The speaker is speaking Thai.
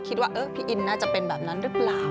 คิดว่าพี่อินน่าจะเป็นแบบนั้นหรือเปล่า